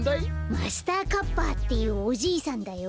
マスターカッパっていうおじいさんだよ。